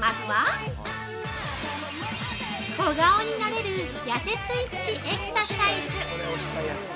まずは小顔になれるやせスイッチエクササイズ。